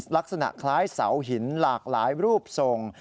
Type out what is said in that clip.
ลักษณะคล้ายเสาหินหลากหลายรูปทรง